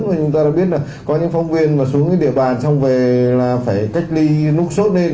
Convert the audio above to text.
và chúng tôi đã biết là có những phóng viên mà xuống cái địa bàn xong về là phải cách ly nút sốt lên